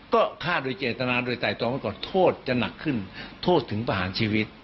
ก็ฆ่าโดยเจตนาโดยไตรตรองไว้ก่อนโทษจะหนักขึ้นโทษถึงประหารชีวิต